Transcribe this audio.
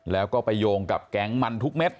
แล้วก็ไปโยงกับแก๊งมันทุกเม็ด